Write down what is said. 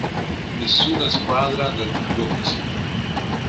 Nessuna squadra dal Vibonese.